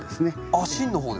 あっ芯の方ですか？